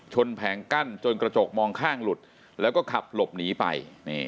แผงกั้นจนกระจกมองข้างหลุดแล้วก็ขับหลบหนีไป